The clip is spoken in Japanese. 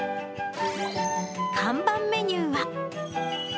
看板メニューは。